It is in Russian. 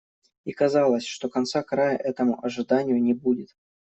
И казалось, что конца-края этому ожиданию не будет.